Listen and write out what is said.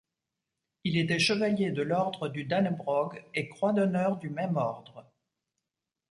Il était Chevalier de l'Ordre du Dannebrog et Croix d’honneur du même Ordre.